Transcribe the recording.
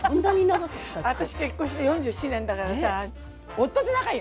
私結婚して４７年だからさ夫と仲いい！